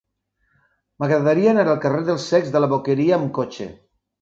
M'agradaria anar al carrer dels Cecs de la Boqueria amb cotxe.